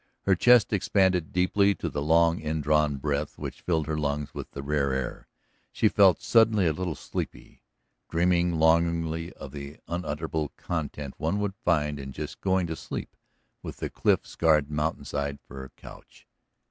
Her chest expanded deeply to the long indrawn breath which filled her lungs with the rare air. She felt suddenly a little sleepy, dreaming longingly of the unutterable content one could find in just going to sleep with the cliff scarred mountainside for couch.